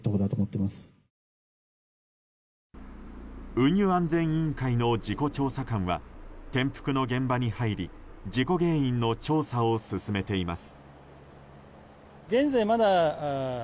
運輸安全委員会の事故調査官は転覆の現場に入り事故原因の調査を進めています。